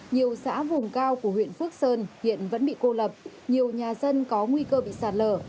nhiều xã vùng cao của huyện phước sơn hiện vẫn bị cô lập nhiều nhà dân có nguy cơ bị sạt lở